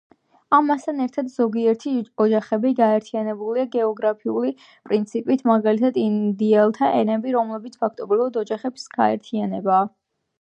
ამასთან ერთად, ზოგიერთი ოჯახები გაერთიანებულია გეოგრაფიული პრინციპით, მაგალითად „ინდიელთა ენები“, რომელიც ფაქტობრივად ოჯახების გაერთიანებაა.